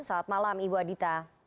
selamat malam ibu adhita